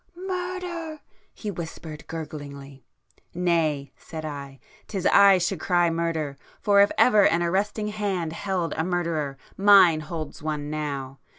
'Murder!' he whispered gurglingly. 'Nay!' said I, ''tis I should cry Murder!—for if ever an arresting hand held a murderer, mine holds one now!